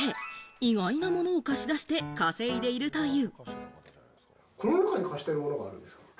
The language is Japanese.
意外なものを貸し出して稼いでいるという。